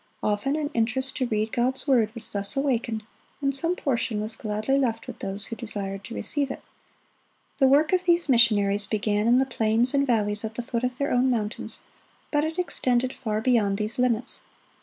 Often an interest to read God's word was thus awakened, and some portion was gladly left with those who desired to receive it. The work of these missionaries began in the plains and valleys at the foot of their own mountains, but it extended far beyond these limits.